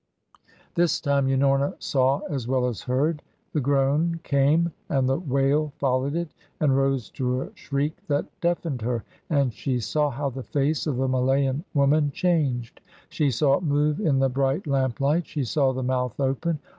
This time Unorna saw as well as heard. The groan came, and the wail followed it and rose to a shriek that deafened her. And she saw how the face of the Malayan woman changed; she saw it move in the bright lamp light, she saw the mouth open.